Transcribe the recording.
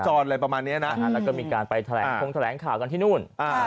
อะไรประมาณนี้นะแล้วก็มีการไปแถลงคงแถลงข่าวกันที่นู่น